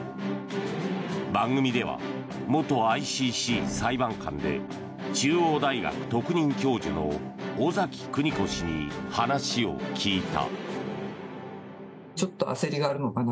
番組では、元ＩＣＣ裁判官で中央大学特任教授の尾崎久仁子氏に話を聞いた。